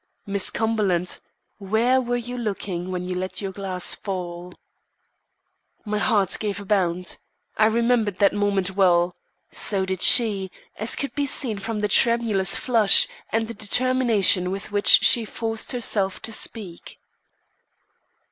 "Miss Cumberland, where were you looking when you let your glass fall?" My heart gave a bound. I remembered that moment well. So did she, as could be seen from the tremulous flush and the determination with which she forced herself to speak.